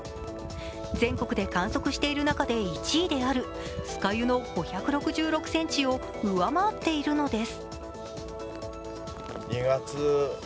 全国で観測している中で１位である酸ヶ湯の５５６ｃｍを上回っているのです。